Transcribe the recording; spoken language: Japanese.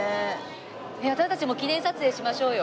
私たちも記念撮影しましょうよ。